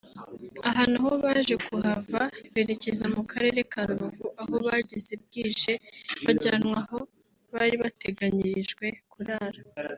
Aha naho baje kuhava berekeza mu karere ka Rubavu aho bageze bwije bajyanwa aho bari bateganyirijwe kurara